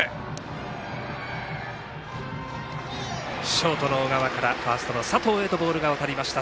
ショートの小川からファーストの佐藤へとボールがわたりました。